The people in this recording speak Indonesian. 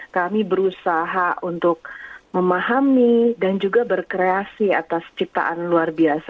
kami berusaha untuk memahami dan juga berkreasi atas ciptaan luar biasa